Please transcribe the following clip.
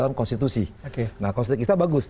nah konstitusi kita bagus